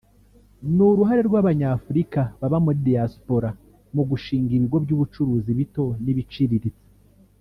n’uruhare rw’Abanyafurika baba muri Diaspora mu gushinga ibigo by’ubucuruzi bito n’ibiciriritse